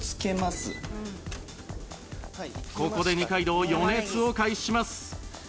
ここで二階堂予熱を開始します